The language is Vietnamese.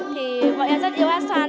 thì mọi em rất yêu hát xoan